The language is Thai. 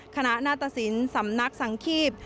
คณะนาฏศิลป์สำนักสังคีพ